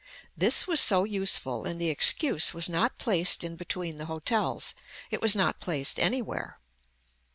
This was so useful and the excuse was not placed in between the hotels, it was not placed anywhere.